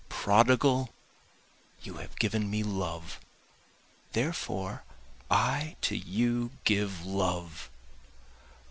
Prodigal, you have given me love therefore I to you give love!